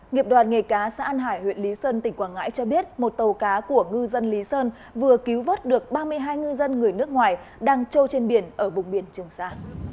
nghiệp đoàn nghề cá xã an hải huyện lý sơn tỉnh quảng ngãi cho biết một tàu cá của ngư dân lý sơn vừa cứu vớt được ba mươi hai ngư dân người nước ngoài đang trâu trên biển ở vùng biển trường sa